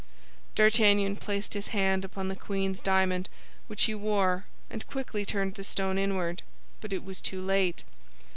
D'Artagnan placed his hand upon the queen's diamond, which he wore, and quickly turned the stone inward; but it was too late.